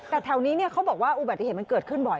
แต่แถวนี้เขาบอกว่าอุบัติเหตุมันเกิดขึ้นบ่อย